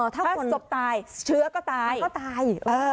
ถ้าศพตายเชื้อก็ตาย